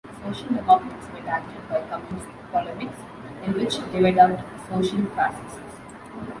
Social Democrats were targeted by Communist polemics, in which they were dubbed social fascists.